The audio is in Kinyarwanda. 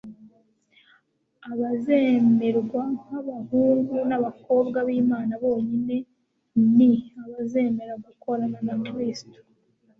Abazemerwa nk'abahungu n'abakobwa b'Imana bonyine ni abazemera gukorana na Kristo,